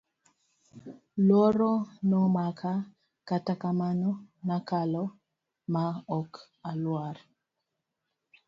Luoro nomaka kata kamano nakalo ma ok alwar.